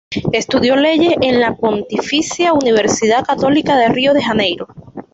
Estudió leyes en la Pontificia Universidad Católica de Río de Janeiro.